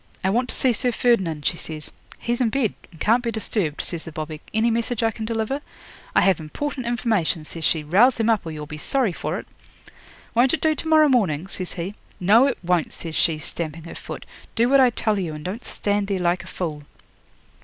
'"I want to see Sir Ferdinand," she says. '"He's in bed and can't be disturbed," says the bobby. "Any message I can deliver?" '"I have important information," says she. "Rouse him up, or you'll be sorry for it." '"Won't it do to morrow morning?" says he. '"No, it won't," says she, stamping her foot. "Do what I tell you, and don't stand there like a fool."